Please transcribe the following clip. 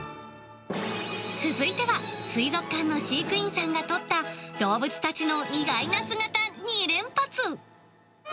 続いては水族館の飼育員さんが撮った、動物たちの意外な姿２連発！